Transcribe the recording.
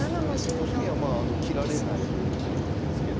コスミは切られないようにということですけど。